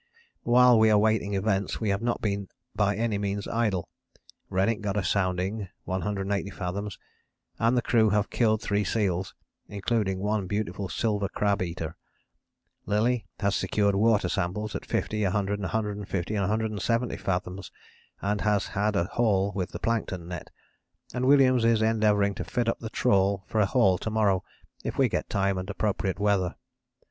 While we are waiting events we have not been by any means idle. Rennick got a sounding, 180 fathoms, and the crew have killed three seals, including one beautiful silver crab eater, Lillie has secured water samples at 50, 100, 150, and 170 fathoms and has had a haul with the plankton net, and Williams is endeavouring to fit up the trawl for a haul to morrow if we get time and appropriate weather.